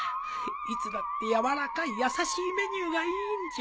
いつだってやわらかい優しいメニューがいいんじゃ